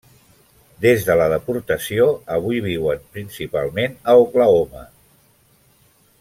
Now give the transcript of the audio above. Des de la deportació, avui viuen principalment a Oklahoma.